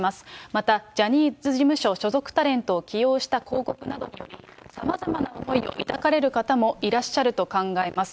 またジャニーズ事務所所属タレントを起用した広告などにより、さまざまな思いを抱かれる方もいらっしゃると考えます。